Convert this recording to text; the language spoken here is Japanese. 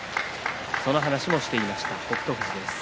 その話をしていました北勝富士です。